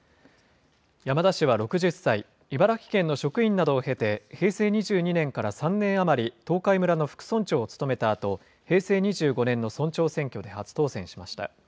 山田氏は６０歳、茨城県の職員などを経て、平成２２年から３年余り東海村の副村長を務めたあと、平成２５年の村長選挙で初当選しました。